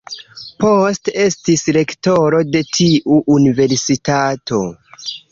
Poste estis rektoro de tiu universitato.